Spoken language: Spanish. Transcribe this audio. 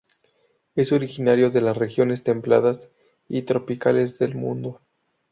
Es originario de las regiones templadas y tropicales del mundo.